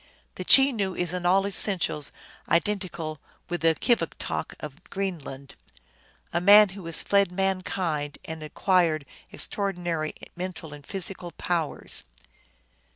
The Chenoo is in all essentials identical with the Kivigtok of Greenland, " a man who has fled mankind, and acquired extraordinary mental and physical powers.